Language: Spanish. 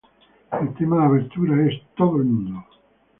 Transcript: El tema de apertura es "Everybody!